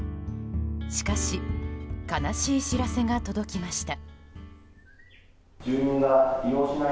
しかし悲しい知らせが届きました。